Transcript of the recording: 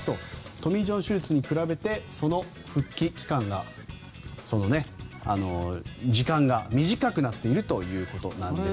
トミー・ジョン手術に比べてその復帰期間が短くなっているということです。